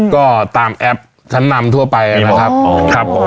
ก็ตามแอปขั้นนำทั่วไปนะครับ